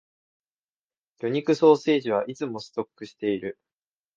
魚肉ソーセージはいつもストックしている